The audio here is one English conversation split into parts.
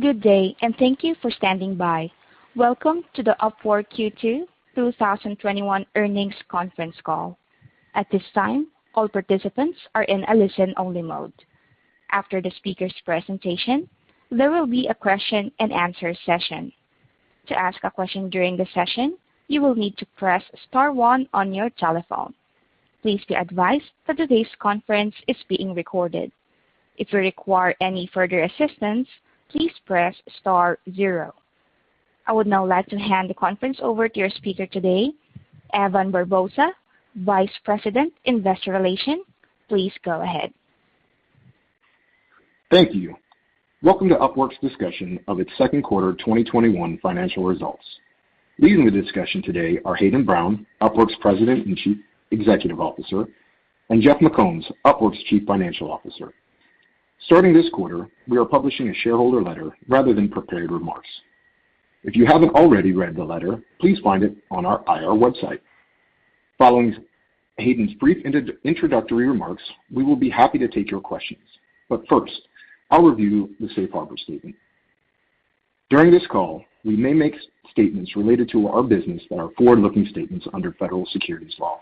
Good day. Thank you for standing by. Welcome to the Upwork Q2 2021 earnings conference call. At this time, all participants are in a listen-only mode. After the speaker's presentation, there will be a question and answer session. To ask a question during the session, you will need to press star one on your telephone. Please be advised that today's conference is being recorded. If you require any further assistance, please press star zero. I would now like to hand the conference over to your speaker today, Evan Barbosa, Vice President, Investor Relations. Please go ahead. Thank you. Welcome to Upwork's discussion of its second quarter 2021 financial results. Leading the discussion today are Hayden Brown, Upwork's President and Chief Executive Officer, and Jeff McCombs, Upwork's Chief Financial Officer. Starting this quarter, we are publishing a shareholder letter rather than prepared remarks. If you haven't already read the letter, please find it on our IR website. Following Hayden's brief introductory remarks, we will be happy to take your questions. First, I'll review the safe harbor statement. During this call, we may make statements related to our business that are forward-looking statements under federal securities law.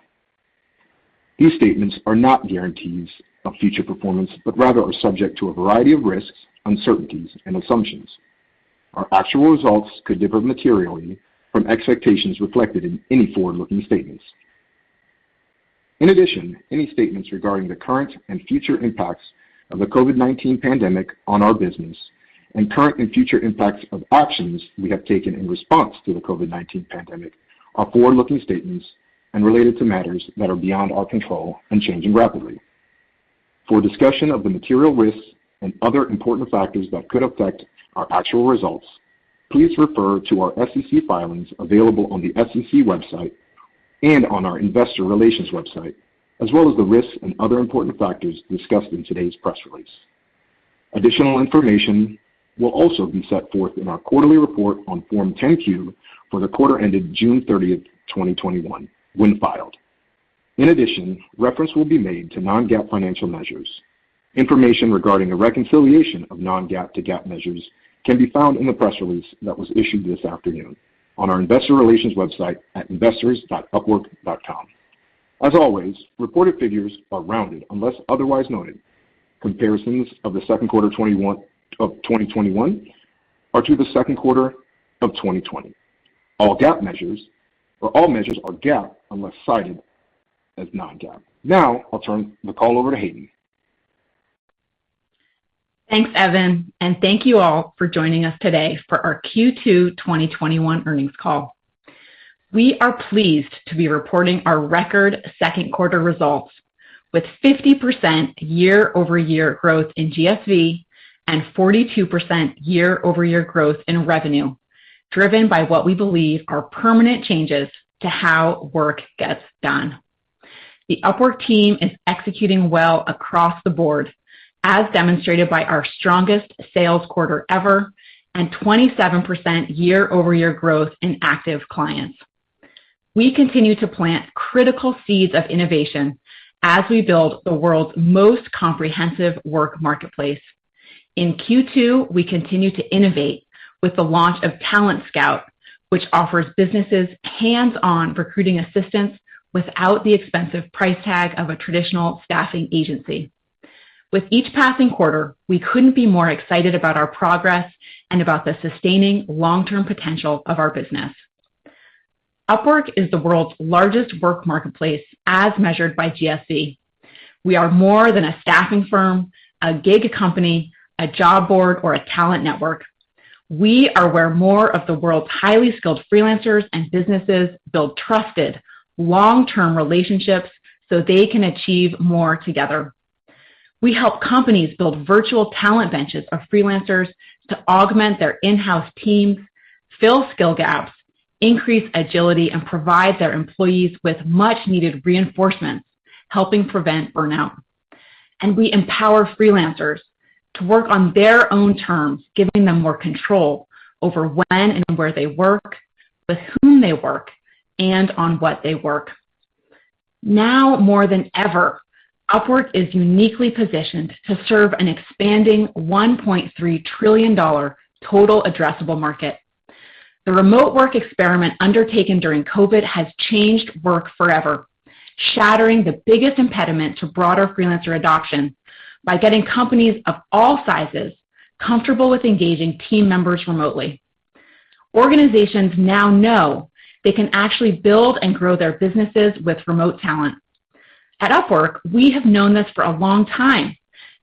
These statements are not guarantees of future performance, but rather are subject to a variety of risks, uncertainties, and assumptions. Our actual results could differ materially from expectations reflected in any forward-looking statements. In addition, any statements regarding the current and future impacts of the COVID-19 pandemic on our business and current and future impacts of options we have taken in response to the COVID-19 pandemic are forward-looking statements and related to matters that are beyond our control and changing rapidly. For a discussion of the material risks and other important factors that could affect our actual results, please refer to our SEC filings available on the SEC website and on our investor relations website, as well as the risks and other important factors discussed in today's press release. Additional information will also be set forth in our quarterly report on Form 10-Q for the quarter ended June 30th, 2021, when filed. In addition, reference will be made to non-GAAP financial measures. Information regarding a reconciliation of non-GAAP to GAAP measures can be found in the press release that was issued this afternoon on our investor relations website at investors.upwork.com. As always, reported figures are rounded unless otherwise noted. Comparisons of the second quarter of 2021 are to the second quarter of 2020. All measures are GAAP unless cited as non-GAAP. Now, I'll turn the call over to Hayden. Thanks, Evan, thank you all for joining us today for our Q2 2021 earnings call. We are pleased to be reporting our record second quarter results with 50% year-over-year growth in GSV and 42% year-over-year growth in revenue, driven by what we believe are permanent changes to how work gets done. The Upwork team is executing well across the board, as demonstrated by our strongest sales quarter ever and 27% year-over-year growth in active clients. We continue to plant critical seeds of innovation as we build the world's most comprehensive Work Marketplace. In Q2, we continued to innovate with the launch of Talent Scout, which offers businesses hands-on recruiting assistance without the expensive price tag of a traditional staffing agency. With each passing quarter, we couldn't be more excited about our progress and about the sustaining long-term potential of our business. Upwork is the world's largest Work Marketplace as measured by GSV. We are more than a staffing firm, a gig company, a job board, or a talent network. We are where more of the world's highly skilled freelancers and businesses build trusted, long-term relationships so they can achieve more together. We help companies build virtual talent benches of freelancers to augment their in-house teams, fill skill gaps, increase agility, and provide their employees with much-needed reinforcement, helping prevent burnout. We empower freelancers to work on their own terms, giving them more control over when and where they work, with whom they work, and on what they work. More than ever, Upwork is uniquely positioned to serve an expanding $1.3 trillion total addressable market. The remote work experiment undertaken during COVID has changed work forever, shattering the biggest impediment to broader freelancer adoption by getting companies of all sizes comfortable with engaging team members remotely. Organizations now know they can actually build and grow their businesses with remote talent. At Upwork, we have known this for a long time,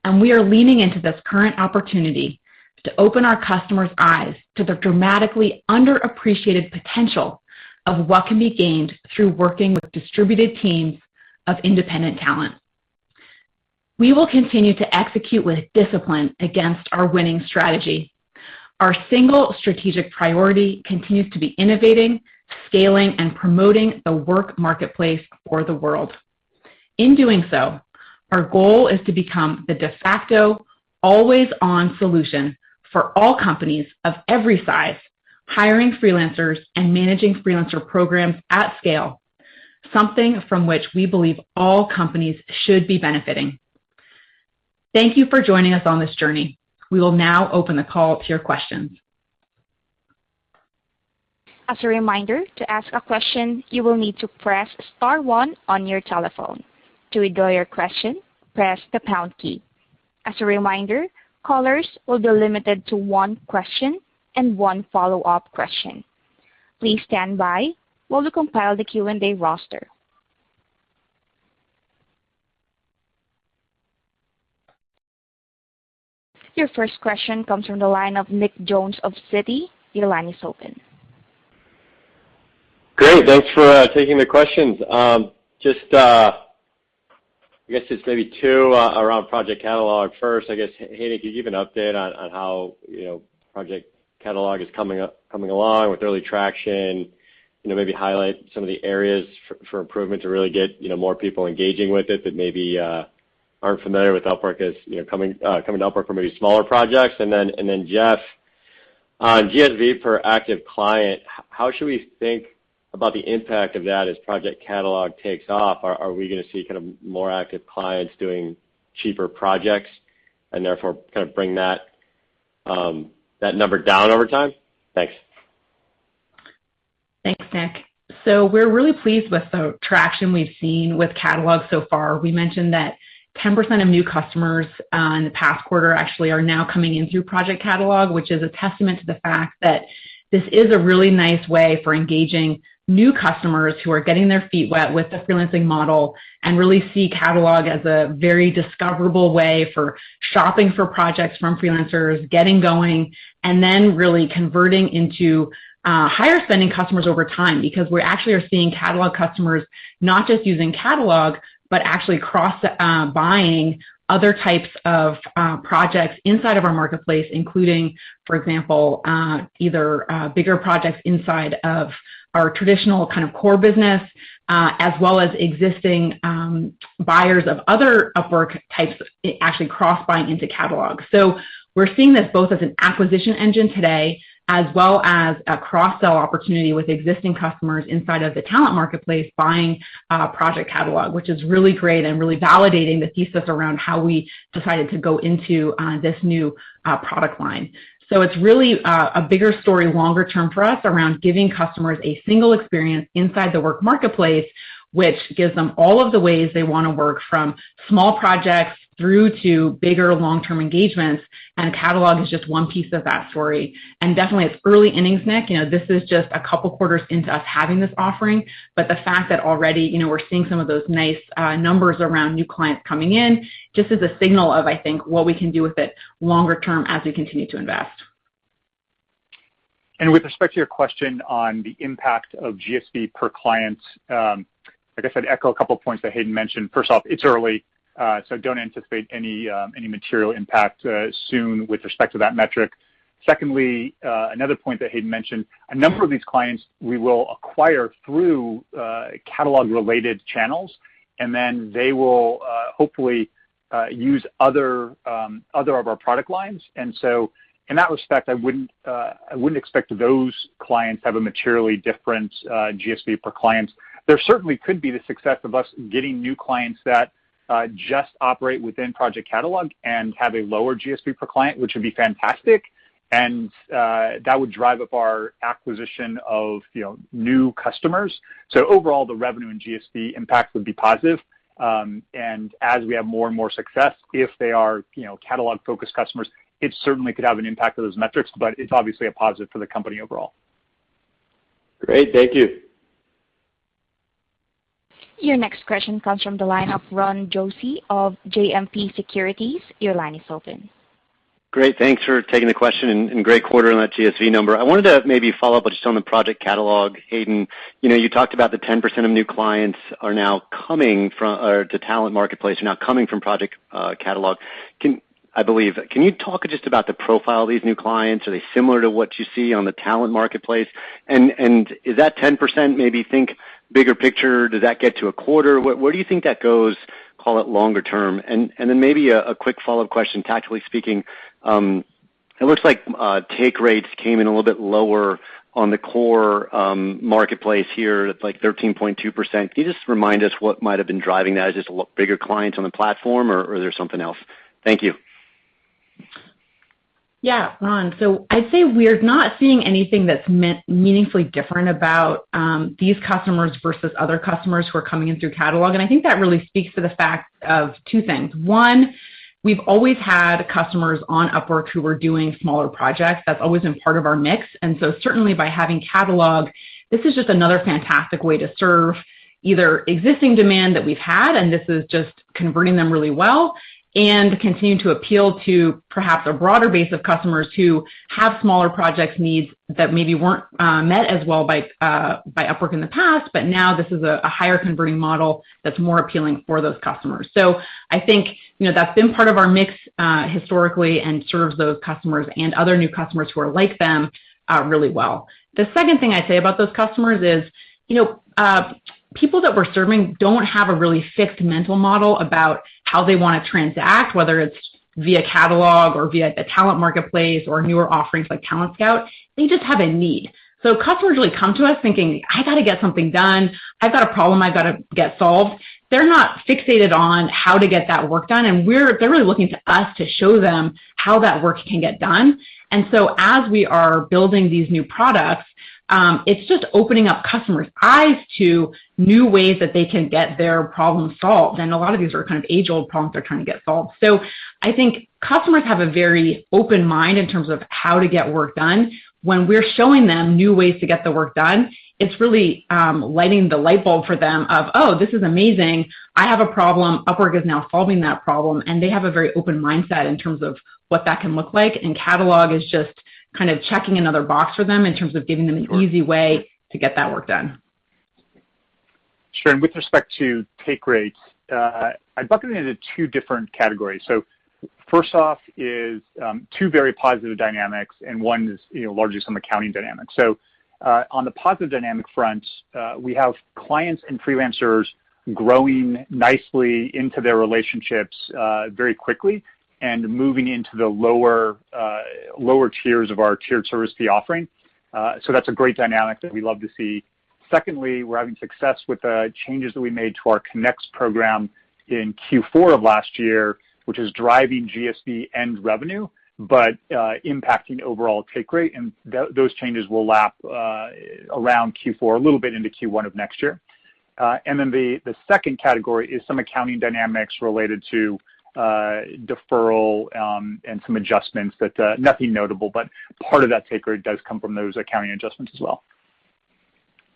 and we are leaning into this current opportunity to open our customers' eyes to the dramatically underappreciated potential of what can be gained through working with distributed teams of independent talent. We will continue to execute with discipline against our winning strategy. Our single strategic priority continues to be innovating, scaling, and promoting the Work Marketplace for the world. In doing so, our goal is to become the de facto always-on solution for all companies of every size, hiring freelancers and managing freelancer programs at scale, something from which we believe all companies should be benefiting. Thank you for joining us on this journey. We will now open the call to your questions. As a reminder, to ask a question, you will need to press star one on your telephone. To withdraw your question, press the pound key. As a reminder, callers will be limited to one question and one follow-up question. Please stand by while we compile the Q&A roster. Your first question comes from the line of Nick Jones of Citi. Your line is open. Great. Thanks for taking the questions. I guess it's maybe two around Project Catalog. I guess, Hayden, could you give an update on how Project Catalog is coming along with early traction? Highlight some of the areas for improvement to really get more people engaging with it that maybe aren't familiar with Upwork, coming to Upwork for maybe smaller projects. Jeff, on GSV per active client, how should we think about the impact of that as Project Catalog takes off? Are we going to see more active clients doing cheaper projects and therefore kind of bring that number down over time? Thanks. Thanks, Nick. We're really pleased with the traction we've seen with Catalog so far. We mentioned that 10% of new customers in the past quarter actually are now coming in through Project Catalog, which is a testament to the fact that this is a really nice way for engaging new customers who are getting their feet wet with the freelancing model and really see Catalog as a very discoverable way for shopping for projects from freelancers, getting going, and then really converting into higher-spending customers over time because we actually are seeing Catalog customers not just using Catalog, but actually cross-buying other types of projects inside of our marketplace, including, for example, either bigger projects inside of our traditional core business, as well as existing buyers of other Upwork types actually cross-buying into Catalog. We're seeing this both as an acquisition engine today as well as a cross-sell opportunity with existing customers inside of the Talent Marketplace buying Project Catalog, which is really great and really validating the thesis around how we decided to go into this new product line. It's really a bigger story longer term for us around giving customers a single experience inside the Work Marketplace, which gives them all of the ways they want to work, from small projects through to bigger long-term engagements, and Catalog is just one piece of that story. Definitely it's early innings, Nick. This is just a couple quarters into us having this offering, but the fact that already we're seeing some of those nice numbers around new clients coming in just is a signal of, I think, what we can do with it longer term as we continue to invest. With respect to your question on the impact of GSV per client, I guess I'd echo a couple points that Hayden Brown mentioned. First off, it's early, don't anticipate any material impact soon with respect to that metric. Secondly, another point that Hayden mentioned, a number of these clients we will acquire through Catalog-related channels, they will hopefully use other of our product lines. In that respect, I wouldn't expect those clients to have a materially different GSV per client. There certainly could be the success of us getting new clients that just operate within Project Catalog and have a lower GSV per client, which would be fantastic, that would drive up our acquisition of new customers. Overall, the revenue and GSV impact would be positive. As we have more and more success, if they are Catalog-focused customers, it certainly could have an impact on those metrics, but it's obviously a positive for the company overall. Great. Thank you. Your next question comes from the line of Ron Josey of JMP Securities. Your line is open. Great. Thanks for taking the question, great quarter on that GSV number. I wanted to maybe follow up just on the Project Catalog. Hayden, you talked about the 10% of new clients to Talent Marketplace are now coming from Project Catalog, I believe. Can you talk just about the profile of these new clients? Are they similar to what you see on the Talent Marketplace? Is that 10%, maybe think bigger picture, does that get to a quarter? Where do you think that goes, call it longer term? Maybe a quick follow-up question. Tactically speaking, it looks like take rates came in a little bit lower on the core marketplace here at 13.2%. Can you just remind us what might have been driving that? Is it just bigger clients on the platform, or is there something else? Thank you. Yeah, Ron. I'd say we're not seeing anything that's meaningfully different about these customers versus other customers who are coming in through Project Catalog, and I think that really speaks to the fact of two things. One, we've always had customers on Upwork who were doing smaller projects. That's always been part of our mix. Certainly by having Project Catalog, this is just another fantastic way to serve either existing demand that we've had, and this is just converting them really well, and continue to appeal to perhaps a broader base of customers who have smaller project needs that maybe weren't met as well by Upwork in the past. Now this is a higher converting model that's more appealing for those customers. I think that's been part of our mix historically and serves those customers and other new customers who are like them really well. The second thing I'd say about those customers is. People that we're serving don't have a really fixed mental model about how they want to transact, whether it's via catalog or via a Talent Marketplace or newer offerings like Talent Scout. They just have a need. Customers really come to us thinking, "I've got to get something done. I've got a problem I've got to get solved." They're not fixated on how to get that work done, and they're really looking to us to show them how that work can get done. As we are building these new products, it's just opening up customers' eyes to new ways that they can get their problem solved. A lot of these are age-old problems they're trying to get solved. I think customers have a very open mind in terms of how to get work done. When we're showing them new ways to get the work done, it's really lighting the light bulb for them of, "Oh, this is amazing. I have a problem. Upwork is now solving that problem." They have a very open mindset in terms of what that can look like. Catalog is just checking another box for them in terms of giving them an easy way to get that work done. Sure. With respect to take rates, I bucket it into two different categories. First off is two very positive dynamics, and one is largely some accounting dynamics. On the positive dynamic front, we have clients and freelancers growing nicely into their relationships very quickly and moving into the lower tiers of our tiered service fee offering. That's a great dynamic that we love to see. Secondly, we're having success with the changes that we made to our Connects program in Q4 of last year, which is driving GSV and revenue, but impacting overall take rate, and those changes will lap around Q4 a little bit into Q1 of next year. Then the second category is some accounting dynamics related to deferral and some adjustments that nothing notable, but part of that take rate does come from those accounting adjustments as well.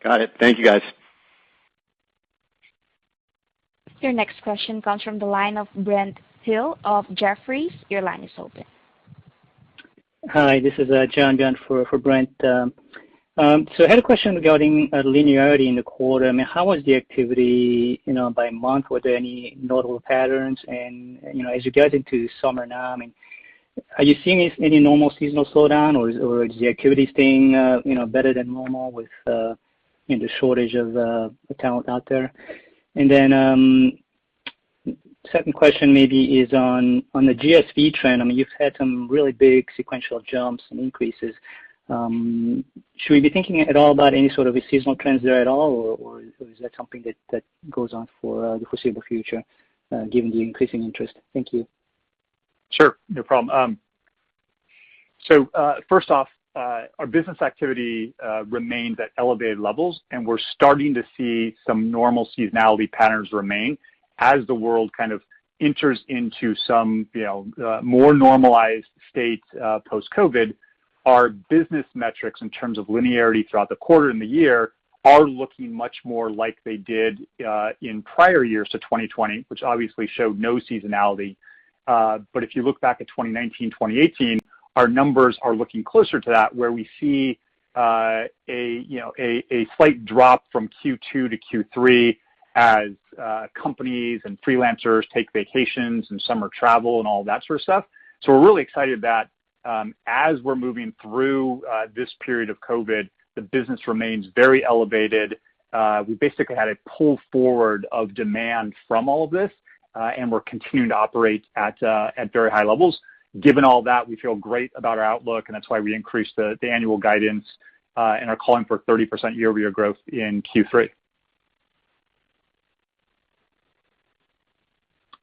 Got it. Thank you, guys. Your next question comes from the line of Brent Thill of Jefferies. Your line is open. Hi, this is John going for Brent. I had a question regarding linearity in the quarter. I mean, how was the activity by month? Were there any notable patterns? As you get into summer now, are you seeing any normal seasonal slowdown, or is the activity staying better than normal with the shortage of talent out there? Second question maybe is on the GSV trend. You've had some really big sequential jumps and increases. Should we be thinking at all about any sort of seasonal trends there at all, or is that something that goes on for the foreseeable future given the increasing interest? Thank you. Sure. No problem. First off, our business activity remains at elevated levels, and we're starting to see some normal seasonality patterns remain as the world enters into some more normalized state post-COVID. Our business metrics in terms of linearity throughout the quarter and the year are looking much more like they did in prior years to 2020, which obviously showed no seasonality. If you look back at 2019, 2018, our numbers are looking closer to that, where we see a slight drop from Q2 to Q3 as companies and freelancers take vacations and summer travel and all that sort of stuff. We're really excited that as we're moving through this period of COVID, the business remains very elevated. We basically had a pull forward of demand from all of this, and we're continuing to operate at very high levels. Given all that, we feel great about our outlook, and that's why we increased the annual guidance and are calling for 30% year-over-year growth in Q3.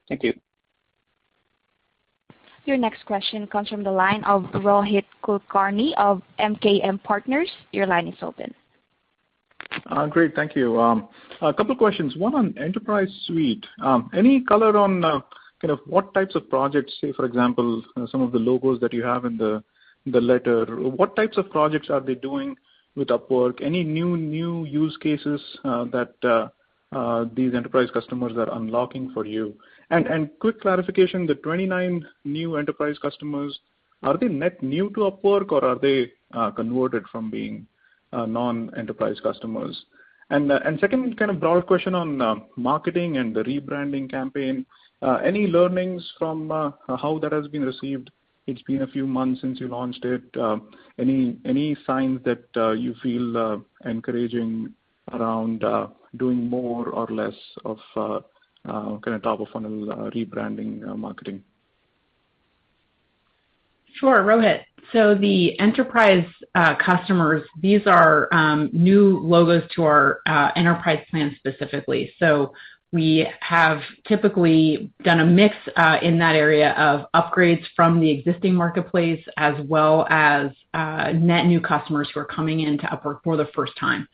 Thank you. Your next question comes from the line of Rohit Kulkarni of MKM Partners. Your line is open. Great. Thank you. Couple questions. One on Enterprise Suite. Any color on what types of projects, say, for example, some of the logos that you have in the letter, what types of projects are they doing with Upwork? Any new use cases that these Enterprise customers are unlocking for you? Quick clarification, the 29 new Enterprise customers, are they net new to Upwork, or are they converted from being non-Enterprise customers? Second kind of broad question on marketing and the rebranding campaign. Any learnings from how that has been received? It's been a few months since you launched it. Any signs that you feel encouraging around doing more or less of top-of-funnel rebranding marketing? Sure, Rohit. The Enterprise customers, these are new logos to our Enterprise plan specifically. We have typically done a mix in that area of upgrades from the existing Marketplace as well as net new customers who are coming into Upwork for the first time.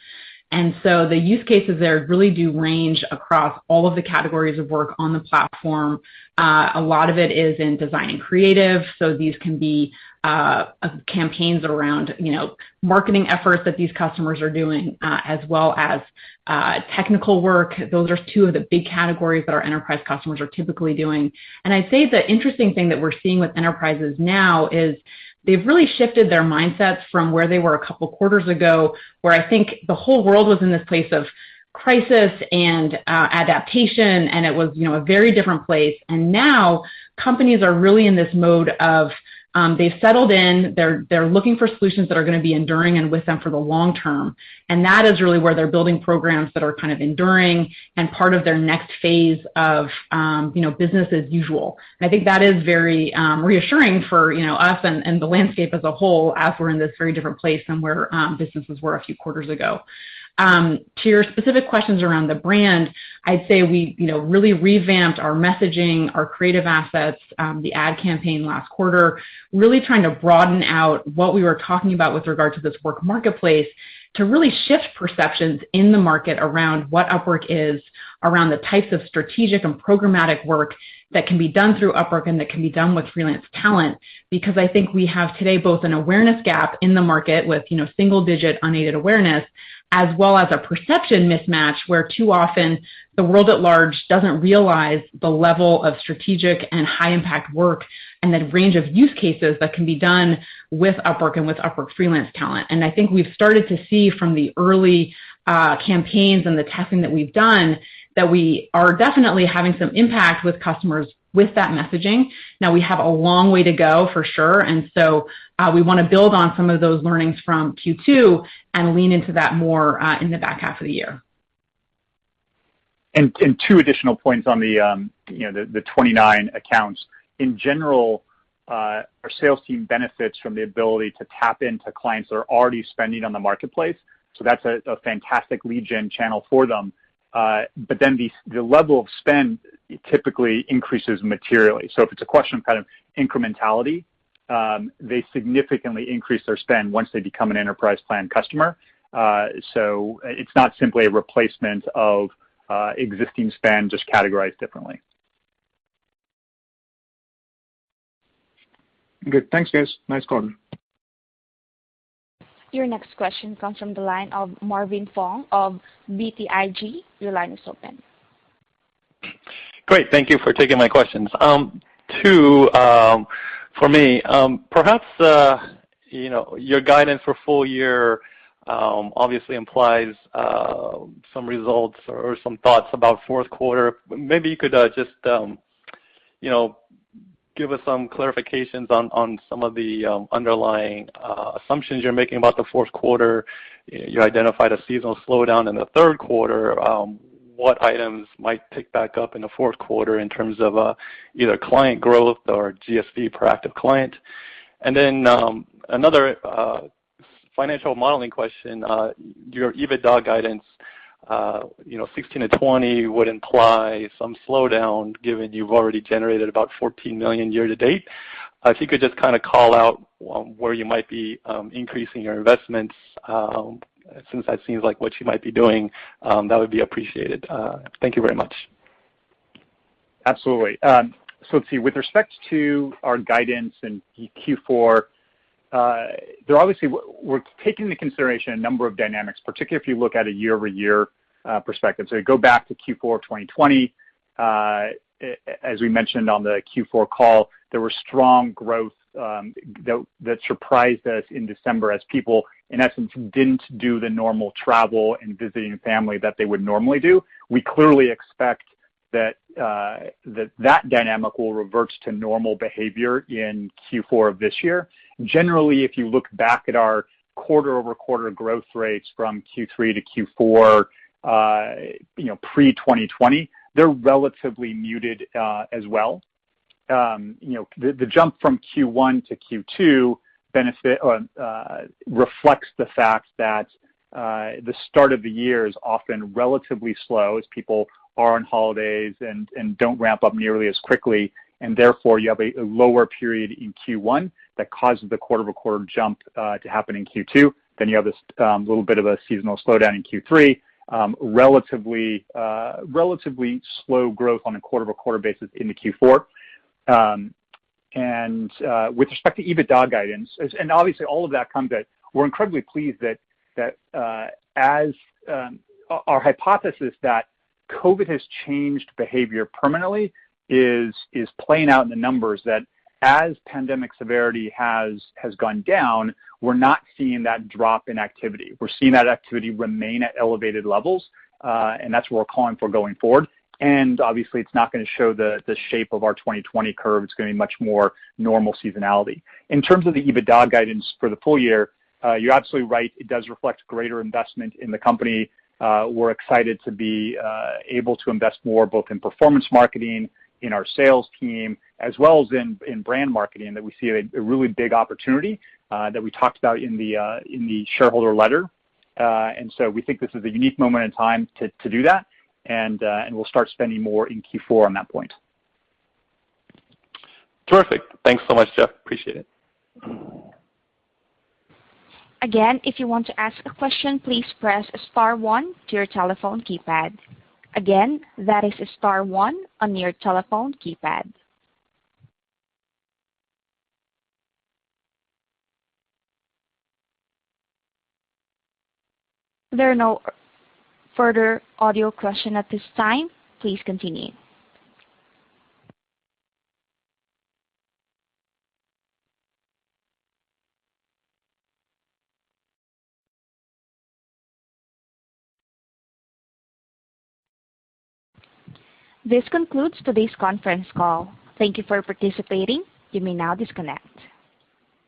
The use cases there really do range across all of the categories of work on the platform. A lot of it is in design and creative, these can be campaigns around marketing efforts that these customers are doing as well as technical work. Those are two of the big categories that our Enterprise customers are typically doing. I'd say the interesting thing that we're seeing with enterprises now is they've really shifted their mindsets from where they were a couple quarters ago, where I think the whole world was in this place of crisis and adaptation, and it was a very different place. Now companies are really in this mode. They've settled in. They're looking for solutions that are going to be enduring and with them for the long term, and that is really where they're building programs that are enduring and part of their next phase of business as usual. I think that is very reassuring for us and the landscape as a whole, as we're in this very different place than where businesses were a few quarters ago. To your specific questions around the brand, I'd say we really revamped our messaging, our creative assets, the ad campaign last quarter, really trying to broaden out what we were talking about with regard to this Work Marketplace to really shift perceptions in the market around what Upwork is, around the types of strategic and programmatic work that can be done through Upwork, and that can be done with freelance talent. Because I think we have today both an awareness gap in the market with single-digit unaided awareness, as well as a perception mismatch where too often the world at large doesn't realize the level of strategic and high-impact work, and the range of use cases that can be done with Upwork and with Upwork freelance talent. I think we've started to see from the early campaigns and the testing that we've done that we are definitely having some impact with customers with that messaging. Now, we have a long way to go for sure. We want to build on some of those learnings from Q2 and lean into that more in the back half of the year. Two additional points on the 29 accounts. In general, our sales team benefits from the ability to tap into clients that are already spending on the marketplace. That's a fantastic lead gen channel for them. The level of spend typically increases materially. If it's a question of kind of incrementality, they significantly increase their spend once they become an enterprise plan customer. It's not simply a replacement of existing spend, just categorized differently. Good. Thanks, guys. Nice quarter. Your next question comes from the line of Marvin Fong of BTIG. Your line is open. Great. Thank you for taking my questions. Two for me. Perhaps your guidance for full year obviously implies some results or some thoughts about fourth quarter. Maybe you could just give us some clarifications on some of the underlying assumptions you're making about the fourth quarter. You identified a seasonal slowdown in the third quarter. What items might pick back up in the fourth quarter in terms of either client growth or GSV per active client? Then another financial modeling question. Your EBITDA guidance $16 million-$20 million would imply some slowdown given you've already generated about $14 million year to date. If you could just call out where you might be increasing your investments, since that seems like what you might be doing, that would be appreciated. Thank you very much. Absolutely. Let's see. With respect to our guidance in Q4, obviously we're taking into consideration a number of dynamics, particularly if you look at a year-over-year perspective. You go back to Q4 of 2020, as we mentioned on the Q4 call, there were strong growth that surprised us in December as people, in essence, didn't do the normal travel and visiting family that they would normally do. We clearly expect that dynamic will revert to normal behavior in Q4 of this year. Generally, if you look back at our quarter-over-quarter growth rates from Q3 to Q4 pre-2020, they're relatively muted as well. The jump from Q1 to Q2 reflects the fact that the start of the year is often relatively slow as people are on holidays and don't ramp up nearly as quickly, and therefore you have a lower period in Q1 that causes the quarter-over-quarter jump to happen in Q2. You have this little bit of a seasonal slowdown in Q3. Relatively slow growth on a quarter-over-quarter basis into Q4. With respect to EBITDA guidance, we're incredibly pleased that our hypothesis that COVID has changed behavior permanently is playing out in the numbers that as pandemic severity has gone down, we're not seeing that drop in activity. We're seeing that activity remain at elevated levels. That's what we're calling for going forward. Obviously it's not going to show the shape of our 2020 curve. It's going to be much more normal seasonality. In terms of the EBITDA guidance for the full year, you're absolutely right. It does reflect greater investment in the company. We're excited to be able to invest more both in performance marketing, in our sales team, as well as in brand marketing, that we see a really big opportunity that we talked about in the shareholder letter. We think this is a unique moment in time to do that. We'll start spending more in Q4 on that point. Terrific. Thanks so much, Jeff. Appreciate it. Again, if you want to ask a question, please press star one on your telephone keypad. Again, that is star one on your telephone keypad. There are no further audio question at this time. Please continue. This concludes today's conference call. Thank you for participating. You may now disconnect.